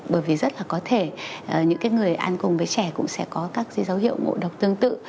bởi vì rất là có thể những người ăn cùng với trẻ cũng sẽ có các dấu hiệu ngộ độc tương tự